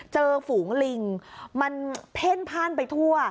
ฝูงลิงมันเพ่นพ่านไปทั่ว